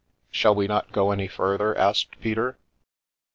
" Shall we not go any further?" asked Peter.